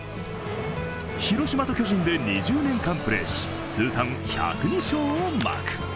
広島と巨人で２０年間プレーし通算１０２勝をマーク。